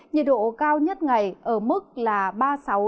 nhiệt độ cao nhất ngày ở mức là ba mươi sáu độ